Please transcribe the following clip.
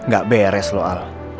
gak beres loh al